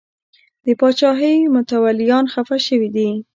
د پاچاهۍ متولیان خفه شوي دي.